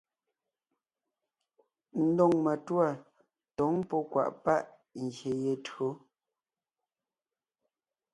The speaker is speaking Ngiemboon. Ndóŋ matûa tǒŋ pɔ́ kwàʼ páʼ ngyè ye tÿǒ.